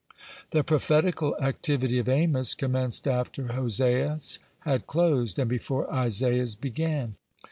(24) The prophetical activity of Amos commenced after Hosea's had closed, and before Isaiah's began.